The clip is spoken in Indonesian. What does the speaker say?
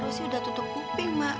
sih udah tutup kuping mak